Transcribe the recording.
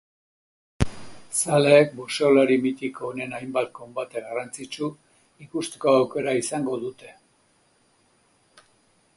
Zaleek boxealari mitiko honen hainbat konbate garrantzitsu ikusteko aukera izango dute.